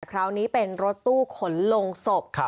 คราวนี้เป็นรถตู้ขนลงศพ